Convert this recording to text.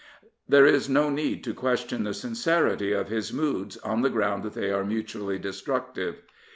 There is no need to question the sincerity of his moods on the ground that they are mutually destruc tive.